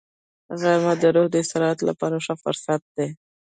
غرمه د روح د استراحت لپاره ښه فرصت دی